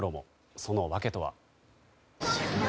その訳とは。